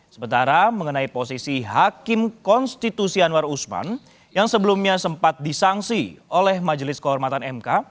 sementara mengenai posisi hakim konstitusi anwar usman yang sebelumnya sempat disangsi oleh majelis kehormatan mk